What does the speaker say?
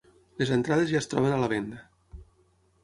Les entrades ja es troben a la venda.